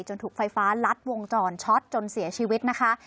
ถูกไฟฟ้ารัดวงจรช็อตจนเสียชีวิตนะคะ